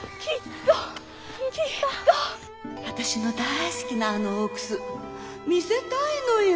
私の大好きなあの大楠見せたいのよ。